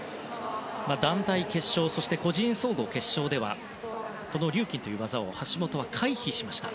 団体決勝そして、個人総合決勝ではリューキンという技を橋本は回避しました。